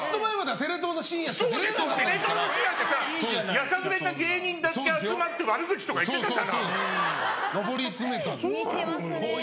テレ東の深夜でやさぐれた芸人だけ集まって悪口とか言ってたじゃない！